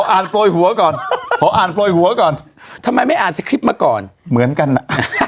โปรยหัวก่อนขออ่านโปรยหัวก่อนทำไมไม่อ่านสคริปต์มาก่อนเหมือนกันอ่ะ